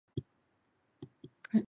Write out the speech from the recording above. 眠かったらから寝た